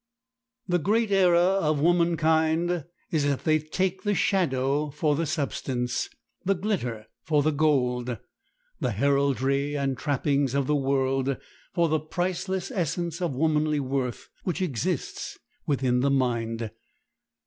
The great error of womankind is that they take the shadow for the substance, the glitter for the gold, the heraldry and trappings of the world for the priceless essence of womanly worth which exists within the mind.